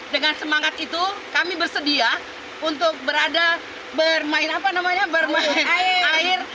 dengan semangat itu kami bersedia untuk bermain air